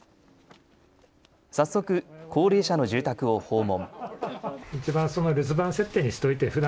早速、高齢者の住宅を訪問。